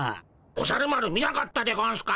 おじゃる丸見なかったでゴンスか？